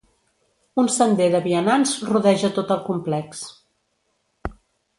Un sender de vianants rodeja tot el complex.